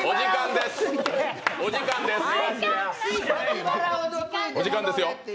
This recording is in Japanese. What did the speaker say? お時間ですよ。